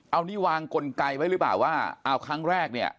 เอานี่วางกลไกไว้หรือเปล่าว่าเอาครั้งแรกเนี่ย